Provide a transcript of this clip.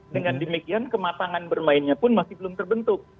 dengan demikian kematangan bermainnya pun masih belum terbentuk